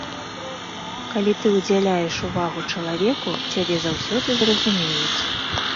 Калі ты ўдзяляеш увагу чалавеку, цябе заўсёды зразумеюць.